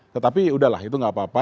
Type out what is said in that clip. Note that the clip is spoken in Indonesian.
tetapi yaudahlah itu nggak apa apa